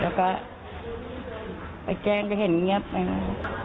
แล้วก็ไปแจ้งก็เห็นเงียบไป